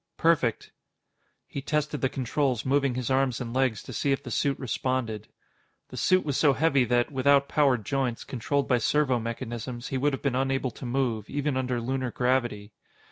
"Perfect." He tested the controls, moving his arms and legs to see if the suit responded. The suit was so heavy that, without powered joints, controlled by servomechanisms, he would have been unable to move, even under Lunar gravity.